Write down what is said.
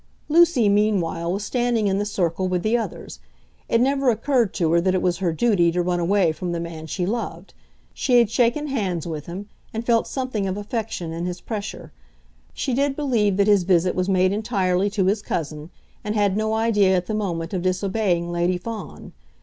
Lucy meanwhile was standing in the circle with the others. It never occurred to her that it was her duty to run away from the man she loved. She had shaken hands with him, and felt something of affection in his pressure. She did believe that his visit was made entirely to his cousin, and had no idea at the moment of disobeying Lady Fawn.